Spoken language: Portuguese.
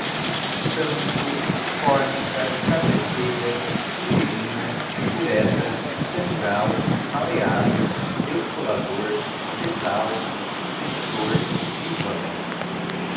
tampo, fórmica, cabeceira, uterina, cureta, femural, maleável, descolador, fetal, dissector, divã